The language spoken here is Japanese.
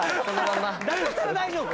だとしたら大丈夫。